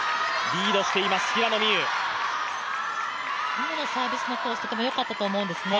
今のサービスのコースとかも、よかったと思うんですね。